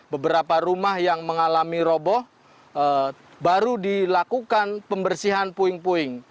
beberapa rumah yang mengalami roboh baru dilakukan pembersihan puing puing